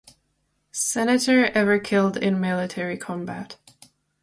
Senator ever killed in military combat.